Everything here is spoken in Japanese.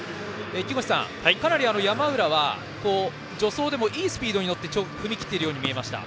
木越さん、かなり山浦は助走でもいいスピードに乗って踏み切っているように見えました。